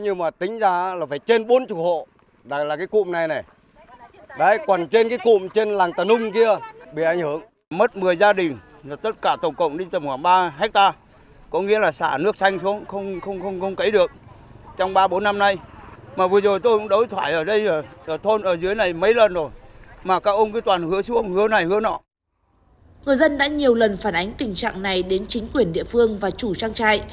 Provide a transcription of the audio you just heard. người dân đã nhiều lần phản ánh tình trạng này đến chính quyền địa phương và chủ trang trại